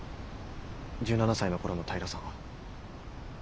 １７才の頃の平さんは。